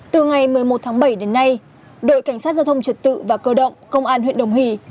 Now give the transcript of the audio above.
từ ngày một mươi một tháng bảy đến nay đội cảnh sát giao thông trật tự và cơ động công an huyện đồng hỷ